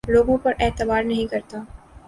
لوگوں پر اعتبار نہیں کرتا